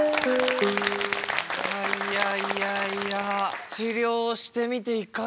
いやいやいやいや治りょうしてみていかがですか？